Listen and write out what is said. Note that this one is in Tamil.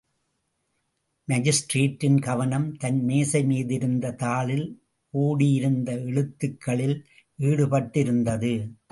மாஜிஸ்திரேட்டின் கவனம் தன் மேஜை மீதிருந்த தாளில் ஓடியிருந்த எழுத்துக்களில் ஈடுபட்டிருந்தது.